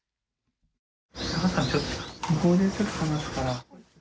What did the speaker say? お母さん、ちょっと向こうでちょっと話すから。